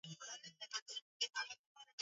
Eneo la malisho huwa na viwavi vyenye nywele